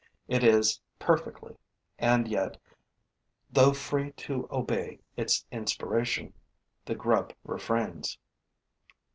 It is, perfectly; and yet, though free to obey its inspiration, the grub refrains.